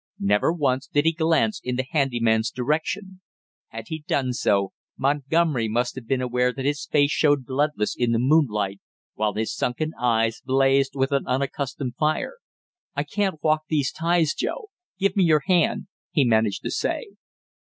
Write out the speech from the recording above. Never once did he glance in the handy man's direction. Had he done so, Montgomery must have been aware that his face showed bloodless in the moonlight, while his sunken eyes blazed with an unaccustomed fire. "I can't walk these ties, Joe give me your hand " he managed to say.